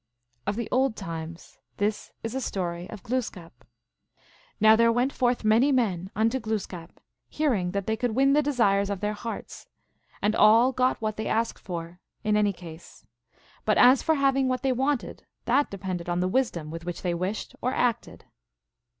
Of the old times : this is a story of Glooskap. Now there went forth many men unto Glooskap, hearing that they could win the desires of their hearts ; and all got what they asked for, in any case ; but as for hav ing what they wanted, that depended on the wisdom with which they wished or acted.